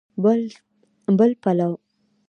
بل پلو